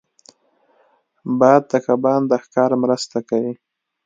باد د کبان د ښکار مرسته کوي